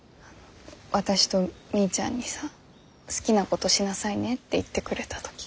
私とみーちゃんにさ好きなことしなさいねって言ってくれた時。